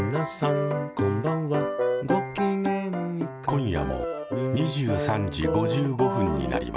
今夜も２３時５５分になりました。